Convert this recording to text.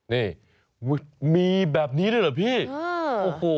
นี่มีแบบนี้ได้หรอพี่อั๊อะ